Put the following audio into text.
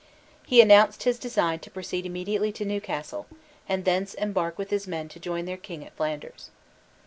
He announced his design to proceed immediately to Newcastle, and thence embark with his men to join their king at Flanders.